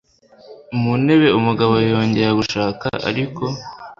mu ntebe umugabo yongeye gushaka ariko